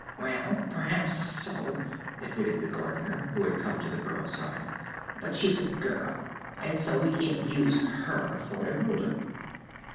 "Well, perhaps so," admitted the Gardener, who had come to the girl's side; "but she's a girl, and so we can't use her for a Ruler."